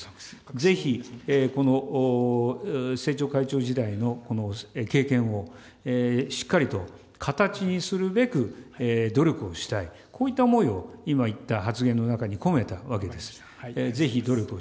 ぜひこの政調会長時代のこの経験をしっかりと形にするべく努力をしたい、こういった思いを今言った発言の中に込めたわけです。